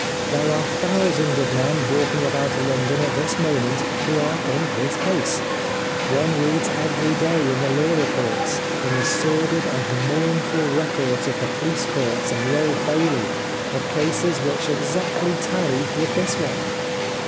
There are thousands of men walking about London at this moment who are in his case. One reads every day in the law reports, in the sordid and mournful records of the police courts and the Old Bailey, of cases which exactly tally with this one.